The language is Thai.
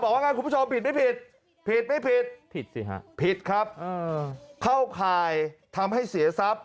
บอกว่าคุณผู้ชมผิดไม่ผิดผิดไม่ผิดผิดครับเข้าข่ายทำให้เสียทรัพย์